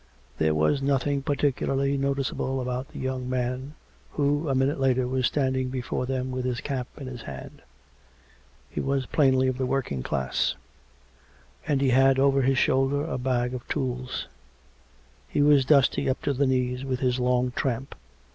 There was nothing particularly noticeable about the young man who a minute later was standing before them with his cap in his hand. He was plainly of the working class; and he had over his shoulder a bag of tools. He was dusty up to the knees with his long tramp. Mr.